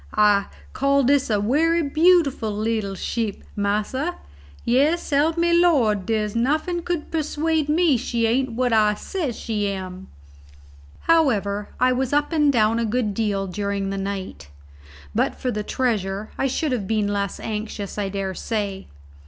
I call dis a werry beautiful little sheep, massa; yes, s'elp me de Lord, dere's nuffin could persuade me she ain't what I says she am." However, I was up and down a good deal during the night. But for the treasure I should have been less anxious, I dare say.